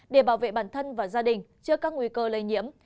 để bảo vệ bản thân và gia đình trước các nguy cơ lây nhiễm